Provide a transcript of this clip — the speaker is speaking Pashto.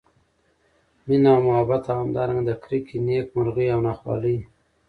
مېنه او محبت او همدا رنګه د کرکي، نیک مرغۍ او نا خوالۍ